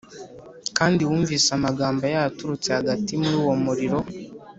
kandi wumvise amagambo yayo aturutse hagati muri uwo muriro. “